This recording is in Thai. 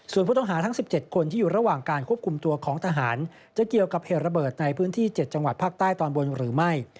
ส่วนผู้ต้องหาทั้ง๑๗คนที่อยู่ระหว่างการควบคุมตัวของทหารจะเกี่ยวกับเหตุระเบิดในพื้นที่๗จังหวัดภาคใต้ตอนบนหรือไม่